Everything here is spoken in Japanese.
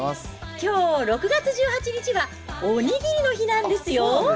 きょう６月１８日は、おにぎりの日なんですよ。